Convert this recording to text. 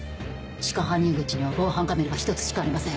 地下搬入口には防犯カメラが１つしかありません。